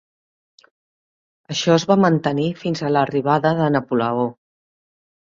Això es va mantenir fins a l'arribada de Napoleó.